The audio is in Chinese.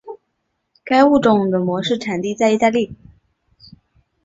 该物种的模式产地在意大利。